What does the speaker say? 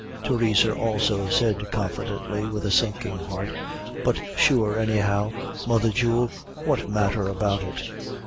Theresa also said confidently with a sinking heart, "But sure, anyhow, mother jewel, what matter about it?